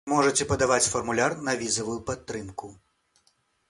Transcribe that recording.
Можаце падаваць фармуляр на візавую падтрымку!